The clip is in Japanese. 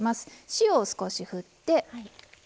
塩を少しふって。